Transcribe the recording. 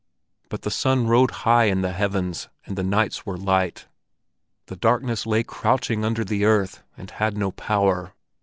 But the sun rode high in the heavens, and the nights were light. The darkness lay crouching under the earth and had no power.